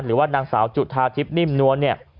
หรือว่านางสาวจุธาทิพย์นิ่มนวลเนี่ย